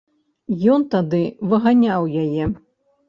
Ён тады выганяў яе.